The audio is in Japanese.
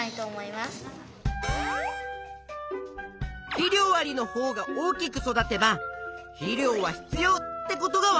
「肥料あり」のほうが大きく育てば「肥料は必要」ってことがわかるんだね。